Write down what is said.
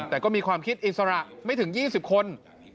แต่ก็มีความคิดอิสระไม่ถึง๒๐คน